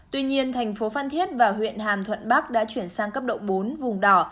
tuy nhiên thành phố phan thiết và huyện hàm thuận bắc đã chuyển sang cấp độ bốn vùng đỏ